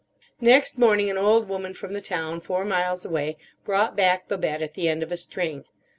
Next morning an old woman from the town four miles away brought back Babette at the end of a string.